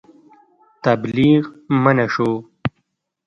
تبلیغ منع شو.